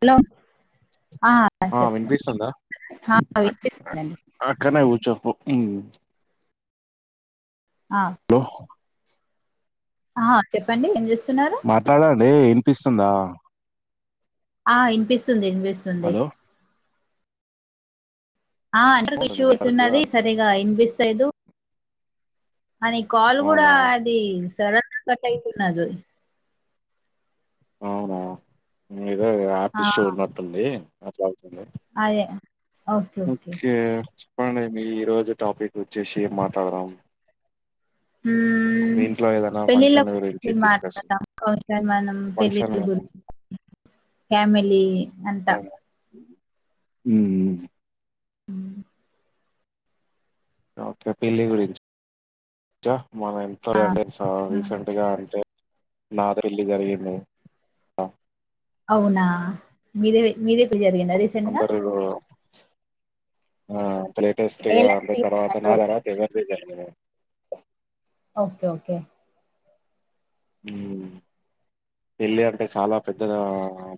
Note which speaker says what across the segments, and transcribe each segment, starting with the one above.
Speaker 1: Hello
Speaker 2: ఆ వినిపిస్తుందా
Speaker 1: ఆ
Speaker 2: అ ట్ అ ట్
Speaker 1: వినిపిస్తుందండి
Speaker 2: అక్కనే కూర్చో పో ఇమ్
Speaker 1: ఆ ఆ చెప్పండి ఏం చేస్ ర్
Speaker 2: మాట్లాడండి ఇనిపిస్తుందా
Speaker 1: ఆ ఇన్ పిస్తుంది ఇన్ పిస్తుంది ఆ అండర్
Speaker 2: ఉంటుంది
Speaker 1: విష్యూ
Speaker 2: నెట్వర్క్
Speaker 1: ఈతున్నది
Speaker 2: అది.
Speaker 1: సరిగా ఇన్ పిస్ స్తెదు అని కాల్ కూడా
Speaker 2: అవునా
Speaker 1: అది సడన్ కట్ అయితున్నద్
Speaker 2: అవునా ఎదో యాప్
Speaker 1: ఆ
Speaker 2: ఇషు ఉన్నట్టుండి అట్ల అయి హలో
Speaker 1: అదే
Speaker 2: ఓకే చెప్పండి మీ ఈ రోజు టాపిక్ వచ్చేసి ఏం మాట్లాడదాం మీ
Speaker 1: మ్మ్
Speaker 2: ఇంట్లో ఏదైనా ఫంక్షన్ల గురించి డిస్కస్ ఫంక్షన్
Speaker 1: [unintelligible] ఫ్యామిలీ అంతా
Speaker 2: మ్మ్
Speaker 1: హ్మ్
Speaker 2: ఓకే పిల్లి గుడి మన ఎంతో అంటే
Speaker 1: ఆ,
Speaker 2: రీసెంట్ గా అంటే అదిరిలు జరిగింది ఆ
Speaker 1: అవునా మీరే మీదే ఎప్పుడు జరిగిందా రీసెంట్గా
Speaker 2: అందరూ ఆ లేటెస్ట్గా అంటే తర్వాత నా
Speaker 1: జరిగింది
Speaker 2: తర్వాత ఎవరిది జరగలే
Speaker 1: ఓకే ఓకే
Speaker 2: ఉమ్ పెళ్ళి అంటే చాలా పెద్ద గ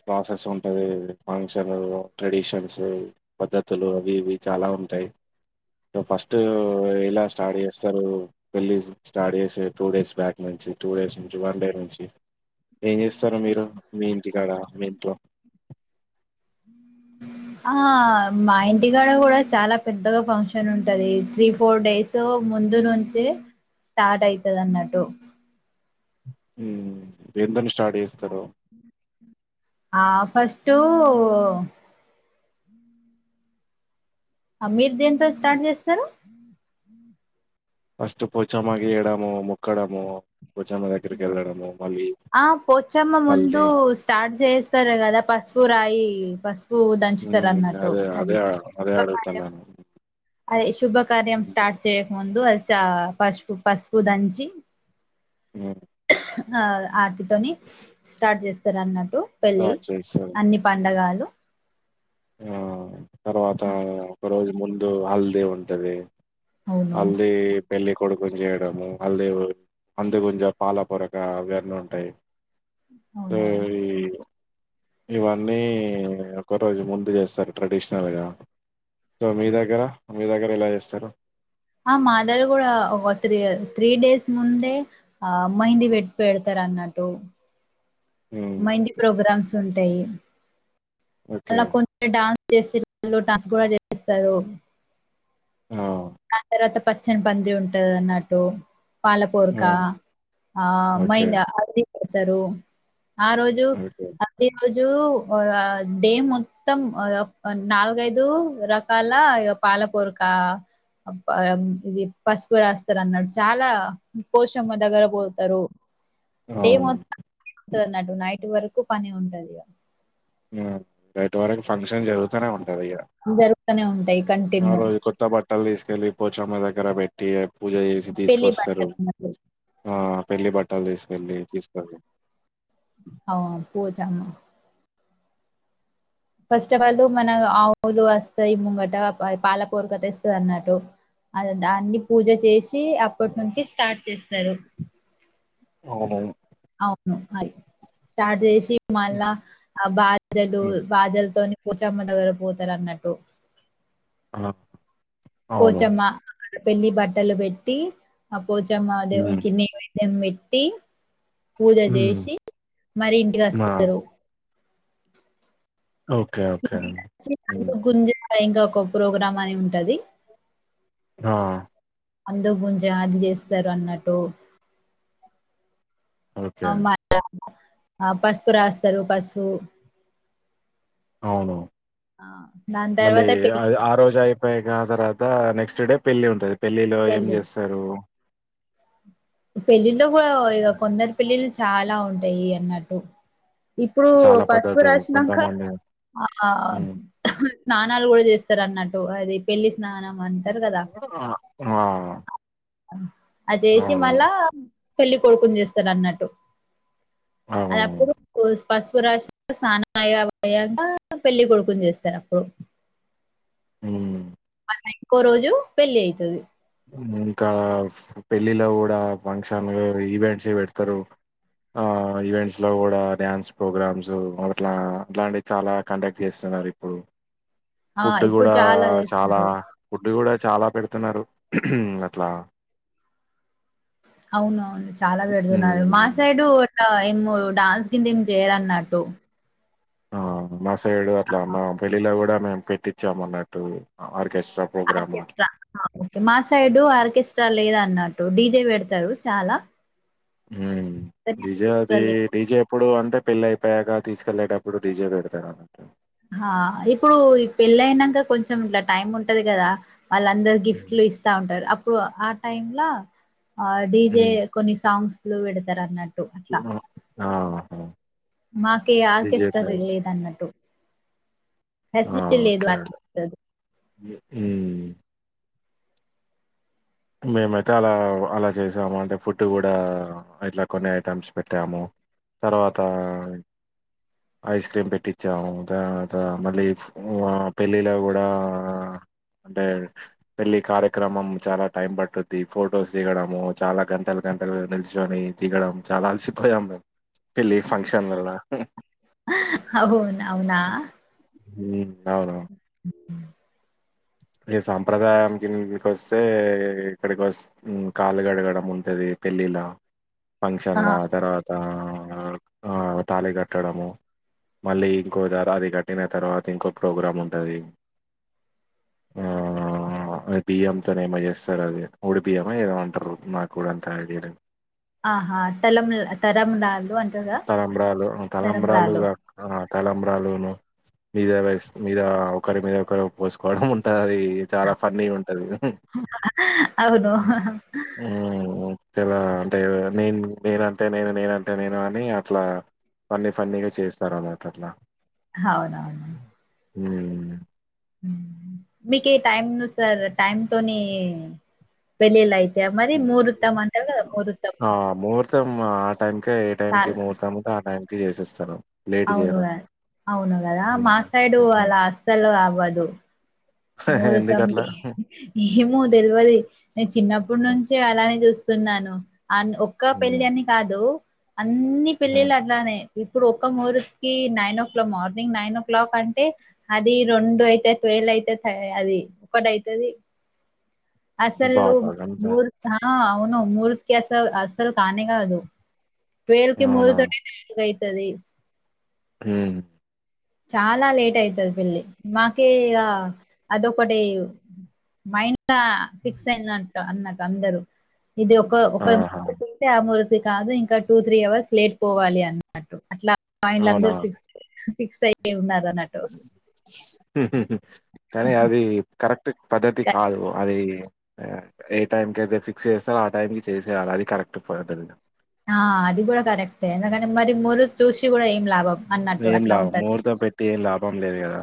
Speaker 2: ప్రాసెస్ ఉంటది ఫంక్షను ట్రెడిషన్స్ టెయ్ పద్ధతులు అవి ఇవి చాలా ఉంటాయి ఫస్ట్ ఇలా స్టార్ట్ చేస్త తారు పెళ్ళి స్టార్ట్ చేసే టూ డేస్ బ్యాక్ నుంచి టూ డేస్ నుంచి వన్ డే నుంచి ఏం చేస్తారు మీరు మీ ఇంటికాడ మీ ఇంట్లో
Speaker 1: ఆ మా ఇంటికాడ కూడా చాలా పెద్దగా ఫంక్షన్ ఉంటది త్రీ ఫోర్ డేసో ముందు నుంచి స్టార్ట్ అయితది అన్నట్టు
Speaker 2: హ్మ్ దేంతోని స్టార్ట్ చేస్తారో
Speaker 1: ఆ ఫస్టు ఆ మీరు దేంతో స్టార్ట్ చేస్తారు
Speaker 2: ఫస్టు పోచమ్మకి ఈయడము మొక్కడము పోచమ్మ దగ్గరికి వెళ్ళడము మళ్ళీ
Speaker 1: ఆ పోచ్చమ్మ ముందు
Speaker 2: హల్దీ
Speaker 1: స్టార్ట్ చేస్తారు కదా పస్ పు రాయి పసుపు దంచుతారు
Speaker 2: హ్మ్.
Speaker 1: అన్నట్టు
Speaker 2: అదే. అదే.
Speaker 1: అది
Speaker 2: అదే
Speaker 1: శుభ కార్యం
Speaker 2: అడుగుతున్నాను.
Speaker 1: అది శుభకార్యం స్టార్ట్ చేయకముందు అది చ పసుపు పసుపు దంచి
Speaker 2: హ్మ్
Speaker 1: ఆ ఆటితోని స్టార్ట్ చేస్తారు అన్న టు పెళ్ళి
Speaker 2: స్టార్ట్ చేశాను.
Speaker 1: అన్ని
Speaker 2: హ్మ్.
Speaker 1: పండగలు
Speaker 2: ఆ తర్వాత ఒక రోజు ముందు హల్దీ ఉంటది
Speaker 1: అవును
Speaker 2: హల్దీ పెళ్ళి కొడుకుని చేయడము హల్దీ అందు కొంచం పాల పొరక అవి అన్ని ఉంటాయి సో
Speaker 1: అవునవును
Speaker 2: ఈ ఇవన్నీ ఒక రోజు ముం దు చేస్తారు ట్రెడిషనల్‌గా సో మీ దగ్గర మీ దగ్గర ఎలా చేస్తారు
Speaker 1: ఆ మా దగ్గర కూడా ఒక త్రీ త్రీ డేస్ ముందే ఆ మెహిందీ పెట్ పెడతారు అన్నటు
Speaker 2: హ్మ్.
Speaker 1: మెహిందీ ప్రోగ్రామ్స్ ఉంటాయి
Speaker 2: ఓకే.
Speaker 1: మల్లా కొంత డాన్ చేసి పిల్లో టస్క్ కూడా చేపిస్తారు
Speaker 2: ఆ!
Speaker 1: తర్వాత పచ్చని బంతి ఉంటది అన్నట్టు
Speaker 2: ఆ!
Speaker 1: పాలపొరక ఆ
Speaker 2: ఓకే.
Speaker 1: మైందా హల్దీ పెడతారు ఆ రోజు
Speaker 2: ఓకే.
Speaker 1: అదే రోజు జు డే మొత్తం ఒక నాలుగైదు రకాల ఇగ పా లాపోరుకా ఇది పసుపు రాస్తారు అన్నాటు చాలా పోషమ్మ దగ్గర పోతారు
Speaker 2: ఆ
Speaker 1: డే మొత్తం ఉంటది అన్నట్టు నైట్ వరకు పని ఉంటదిగ
Speaker 2: హ్మ్ నైట్ వరకు ఫంక్షన్ జరుగుతనే ఉంటది ఇక
Speaker 1: తానే ఉంటాయి
Speaker 2: ఆ
Speaker 1: కంటిన్యూ
Speaker 2: రోజు కొత్త బట్టలు తీసుకెళ్ళి పోచమ్మ దగ్గర పెట్టి పూజ చేసి
Speaker 1: పెళ్లి
Speaker 2: తీసుకొస్తారు
Speaker 1: బట్టలు
Speaker 2: ఆ పెళ్లి బట్టలు తీసుకెళ్ళి తీసుకెళ్లి
Speaker 1: ఆ పోతాము ఫస్ట్ ఆఫ్ ఆల్ మన ఆవులు వస్తాయి ముంగట పాలపొరుక తెస్తే అన్నట్టు అదే దాన్ని పూజ చేసి అప్పటి నుంచి స్టార్ట్ చేస్తారు
Speaker 2: అవునవును
Speaker 1: అవును అది స్టార్ట్ చేసి మళ్ళా ఆ బాజలు
Speaker 2: ఉమ్
Speaker 1: బాజలుతోని పొచమ్మ దగ్గర పోతారు అన్నట్టు
Speaker 2: ఆ అవును
Speaker 1: పోచమ్మ అక్కడ పెళ్లి బట్టలు పెట్టి ఆ పోచమ్మ
Speaker 2: ఉమ్
Speaker 1: దేవునికి నేవై ద్యం పెట్టి పూజ
Speaker 2: ఉమ్
Speaker 1: చేసి మరి ఇంటికి
Speaker 2: ఆ
Speaker 1: వస్తారు
Speaker 2: ఓకే ఓకే
Speaker 1: ఇంటికి
Speaker 2: ఉమ్
Speaker 1: వచ్చినాక గుంజ అని ఇంకా ఒక ప్రోగ్రాం అని ఉంటది
Speaker 2: ఆ
Speaker 1: అందు గుంజ అది చేస్తారు అన్నట్టు అ
Speaker 2: ఓకే
Speaker 1: మా ఆ పసుపు రాస్తారు పసుపు
Speaker 2: అవును
Speaker 1: ఆ దాని
Speaker 2: మళ్ళీ
Speaker 1: తర్వాత పెళ్లి
Speaker 2: ఆ రోజే అయ్ పైగా తర్వాత నెక్స్ట్ డే పెళ్లి ఉంటది పెళ్లిలో ఏం
Speaker 1: పెళ్ళి
Speaker 2: చేస్తారు
Speaker 1: పెళ్ళిలో కూడా ఇగ కొందరు పెళ్ళిళ్ళు చాలా ఉంటాయి అన్నట్టు ఇప్పుడు
Speaker 2: చాలా
Speaker 1: పసుపు
Speaker 2: పద్ధతులు
Speaker 1: రాసినంక
Speaker 2: కొంతమంది
Speaker 1: ఆ ఆ
Speaker 2: ఉమ్
Speaker 1: స్నానాలు కూడా చేస్తారు అన్నట్టు అది పెళ్లి స్నానం అంటారు కదా
Speaker 2: ఆ ఆ
Speaker 1: అది చెస్ పెట్టు
Speaker 2: అవును
Speaker 1: మళ్ళా పెళ్ళి కొడుకుని చేస్తారు అన్నట్టు అది
Speaker 2: అవును
Speaker 1: అప్పుడు పసుపు రాశి స్నానం అవి అయ్యాక పెళ్లి కొడుకుని చేస్తారు అప్పుడు
Speaker 2: ఉమ్
Speaker 1: ఆ ఇంకో రోజు పెళ్లి అయితుంది
Speaker 2: ఇంకా పెళ్ళిలో కూడా ఫంక్షన్ ఈవెంట్స్ పెడతారు ఆ ఈవెంట్స్ లో కూడా డ్యాన్స్ ప్రోగ్రామ్స్ అట్లా అట్లాంటివి చాలా కండక్ట్ చేస్తారు ఇప్పుడు
Speaker 1: ఆ
Speaker 2: ఫుడ్
Speaker 1: ఇప్పుడు
Speaker 2: కూడా
Speaker 1: చాలా
Speaker 2: చాలా
Speaker 1: చేస్తారు
Speaker 2: ఫుడ్ కూడా చాలా పెడుతున్నారు అట్లా
Speaker 1: అవున అవును చాలా పెడుతున్నారు మా
Speaker 2: హ్మ్.
Speaker 1: సైడు అట్ల ఎమ్ డాన్స్ కింద ఏం చేయరున్నట్టు
Speaker 2: ఆ మా సైడు అట్లా నా పెళ్ళిలో కూడా మేము పెట్టించామన్నట్టు ఆర్కెస్ట్రా ప్రోగ్రాము అట్లా.
Speaker 1: ఆర్కెస్ట్రా ఆ ఒకే మా సైడు ఆర్కస్ స్ట్రా లేదన్నట్టు డిజే పెడతారు చాలా
Speaker 2: ఉమ్
Speaker 1: కానీ
Speaker 2: డి జె అది
Speaker 1: ఆర్కెస్ట్రా లేదు.
Speaker 2: డి జె ఎప్పుడు అ అంటే పెళ్ళి అయిపోయాక తీసుకెళ్లేేటప్పుడు డిజే పెడతారు అన్నమాట
Speaker 1: ఆ! ఇప్పుడు ఈ పెళ్లయినంక కొంచెం ఇట్ టైమ్ ఉంటది కదా వాళ్ళందరు గిఫ్ట్
Speaker 2: హ్మ్.
Speaker 1: లు ఇస్తా ఉంటారు అప్ ప్పుడు ఆ టైమ్ ల ఆ డీజే
Speaker 2: హ్మ్.
Speaker 1: కొన్ని సాంగ్స్ పెడతారు అన్నట్
Speaker 2: ఆ ఆ!
Speaker 1: మాకీ
Speaker 2: డిజెట్
Speaker 1: ఆర్కెస్ట్రా
Speaker 2: నైస్
Speaker 1: లేదన్నట్టు
Speaker 2: ఆ
Speaker 1: ఫెసిలిటీ లేదు ఆర్కెస్ట్రా ది
Speaker 2: ఉమ్ మేమైతే అలా అలా చేసాము అంటే ఫుడ్ కూడా ఇట్లా కొన్ని ఐటమ్స్ పెట్టాము తర్వాత ఐస్ క్రీమ్ పెట్టించాము తర్వాత మళ్ళీ ఉ అ పెళ్ళిలో కూడా అంటే పెళ్ళి కార్యక్రమం చాలా టైం పట్టుద్ది ఫొటోస్ దిగడము చాలా గంటలు గంటలు నీలుచొని తిగడం చాలా అలసిపోయాం మేము పెళ్లిి ఫంక్షన్లల
Speaker 1: అవును. అవునా!
Speaker 2: ఉమ్ అవునవు
Speaker 1: ఉమ్
Speaker 2: ఈ సాంప్రదాయంకి వస్తే ఇక్కడి కొస్ కళ్ళు గడగడం ఉంటది. పెళ్ళిలా,
Speaker 1: ఆ!
Speaker 2: ఫంక్షన్లా తర్వాతా ఆ ఆ తాళి కట్టడము మళ్ళీ ఇంకో ధర అది కట్టిన తర్వాత ఇంకో ప్రోగ్రాం ఉంటది. ఆ ఆ బియ్యంతోనేమో చేస్తార్ అది ఒడిబియ్యమ ఏదో అంటరు నాక్కూడా అంత ఐడియా లేదు
Speaker 1: ఆహా తలం తలంబ్రాలు
Speaker 2: తలంబ్రాలు తలంబ్రాలుగా తలంబ్రాలును మీద రైస్ మీద ఒకరి మీద ఒకరు పోస్కోవడం ఉంటద్ అది చాలా ఫన్నీగుంటది
Speaker 1: అవును
Speaker 2: ఉమ్ చాలా అంటే నేను నేనంటే నేను నేనంటే నేను అని అట్లా అన్నీ ఫన్నీగా చేస్తారన్నమాట అట్లా
Speaker 1: అవునవును
Speaker 2: మ
Speaker 1: మీకే టైమ్ను సార్ టైమ్తోని పెళ్ళిలై తయా మరి ముహూర్తం అంటరు కదా మురుతం
Speaker 2: ర్తం ఆ టైంకే ఏ టైంకి ముహూర్తాం ఉంటే ఆ టైంకి చేసేస్తాము
Speaker 1: అవును గ అవును కదా
Speaker 2: హ్మ్.
Speaker 1: మా సైడు
Speaker 2: హ్మ్.
Speaker 1: అలా అస్సలు అవ్వదు.
Speaker 2: ఎందుకట్లా?
Speaker 1: ముహర్తంకి ఏమో తెల్వది నేన్ చిన్నప్పట్
Speaker 2: హ్మ్.
Speaker 1: నుంచే అలానే చూస్ స్తున్నాను. అన్ ఒక్క పెళ్ళి
Speaker 2: హ్మ్.
Speaker 1: అని కాదు అన్ని పెళ్ళిళ్ళ
Speaker 2: హ్మ్.
Speaker 1: అట్లానే ఇప్పుడు ఒక్క ముహూర్కి nine o'clock morning nine o'clock అంటే అది రొండు అయిత ట్వల్ అయిత అది ఒకటైతది అసలు
Speaker 2: బాబా! గంతా
Speaker 1: ముహూర్ ఆ అవును ముహుర్కి అసల్ అసలు కానే కాదు ట్వల్కి ముహుర్
Speaker 2: అవునా?
Speaker 1: సరే
Speaker 2: హ్
Speaker 1: చాలా లేట్ అయితది పెళ్లి మాకే ఇగ అదొకటే మైన్ లా ఫిక్స్ అయిన్లంట అన్నకు అందరు ఇది ఒక ఒక
Speaker 2: ఆహా!
Speaker 1: [inaudible] అది కాదు ఇంకా టూ త్రీ అవర్స్ లేట్ పోవాలి అన్నట్టు అట్లా మైండ్ల
Speaker 2: అవునా?
Speaker 1: అందరు ఫిక్స్ అయ్యి ఉన్నారు అన్నట్టు
Speaker 2: కానీ అది కరెక్ట్ పద్ధతి
Speaker 1: కరెక్ట్.
Speaker 2: కాదు. అది ఏ టైమ్కి అయితే ఫిక్స్ చేస్తారో ఆ టైంకి చేసేయాల అది కరెక్ట్ పద్ధతి
Speaker 1: ఆ అది గుడా కరె క్టే ఎందుకంటే మరి మురు చూసి గుడా ఏం లాభం అన్నట్టు అట్లా ఉంటది
Speaker 2: బం లేదు కదా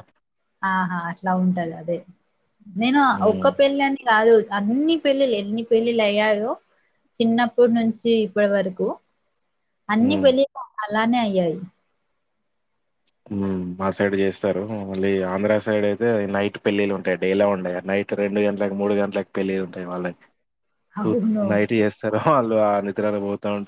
Speaker 1: ఆహా అట్లా ఉంటద్ అదే నేను
Speaker 2: హ్మ్
Speaker 1: ఒక్క పెళ్ళని కాదు అన్నీ పెళ్ళిళ్ళు ఎన్ని పెళ్ళియ్యయో చిన్నప్పుడ్ నుంచి ఇప్పట్ వరకు అన్నీ
Speaker 2: హ్మ్
Speaker 1: పెళ్ళిళ్ళు అలానే అయ్యాయి.
Speaker 2: మా సైడ్ చేస్తారు. మళ్ళీ ఆంధ్ర సైడ్ అయితే నైట్ పెళ్ళిలుంటయి డేలా ఉండయి నై నైట్ రెండు గంటలక్ మూడు గంటలక్ పెళ్ళిలుంటాయి వాళ్ళయి టూ
Speaker 1: అవును.
Speaker 2: నైట్ చేస్తారా వాళ్ళు ఆ నిద్రల పోతా ఉం